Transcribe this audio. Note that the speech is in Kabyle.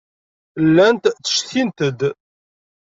Llant ttcetkint-d.